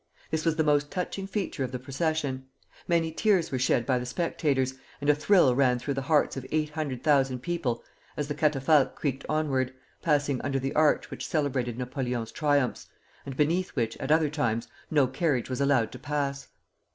This was the most touching feature of the procession. Many tears were shed by the spectators, and a thrill ran through the hearts of eight hundred thousand people as the catafalque creaked onward, passing under the arch which celebrated Napoleon's triumphs, and beneath which at other times no carriage was allowed to pass.